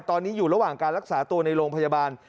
ตอนนี้อยู่ระหว่างการรักษาตัวในโรงพยาบาล